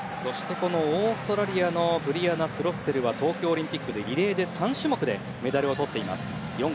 オーストラリアのブリアナ・スロッセルは東京オリンピックでリレー３種目でメダルをとっています。